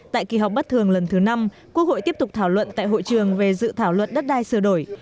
tại kỳ họp bất thường lần thứ năm quốc hội tiếp tục thảo luận tại hội trường về dự thảo luật đất đai sửa đổi